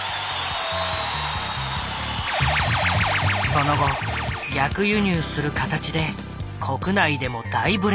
その後逆輸入する形で国内でも大ブレーク。